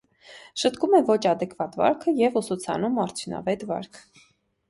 Շտկում է ոչ ադեկվատ վարքը և ուսուցանում արդյունավետ վարք։